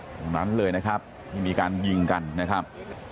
ตรงนั้นเลยนะครับที่มีการยิงกันนะครับ